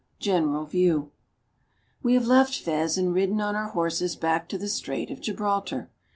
GENERAL VIEW WE have left Fez and ridden on our horses back to the Strait of Gibraltar.